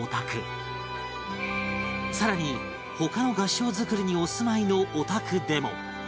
更に他の合掌造りにお住まいのお宅でも